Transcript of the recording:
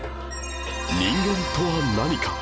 人間とは何か？